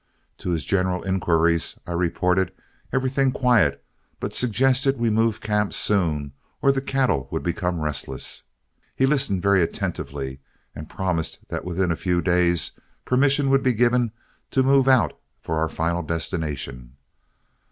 To his general inquiries I reported everything quiet, but suggested we move camp soon or the cattle would become restless. He listened very attentively, and promised that within a few days permission would be given to move out for our final destination.